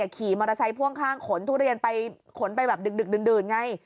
ขี่มอเตอร์ไซค์พ่วงข้างขนทุเรียนไปขนไปแบบดึกดื่นไง